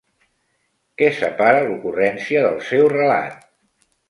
¿Què separa l'ocurrència del seu relat?